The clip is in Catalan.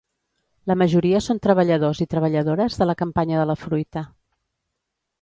La majoria són treballadors i treballadores de la campanya de la fruita.